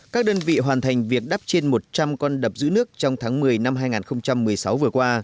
các đơn vị hoàn thành việc đắp trên một trăm linh con đập giữ nước trong tháng một mươi năm hai nghìn một mươi sáu vừa qua